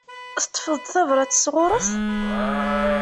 Teṭṭfeḍ-d tabrat sɣur-s?